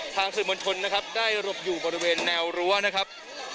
สื่อมวลชนนะครับได้หลบอยู่บริเวณแนวรั้วนะครับ